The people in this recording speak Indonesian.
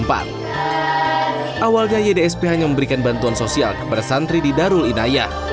awalnya ydsp hanya memberikan bantuan sosial kepada santri di darul inayah